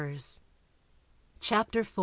] CHAPTER IV.